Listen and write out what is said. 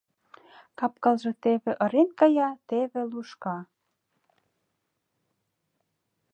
Кап-кылже теве ырен кая, теве лушка.